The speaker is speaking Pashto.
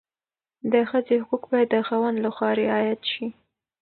د ښځې حقوق باید د خاوند لخوا رعایت شي.